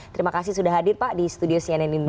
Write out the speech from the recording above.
terima kasih sudah hadir pak di studio cnn indonesia